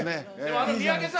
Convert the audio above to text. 三宅さん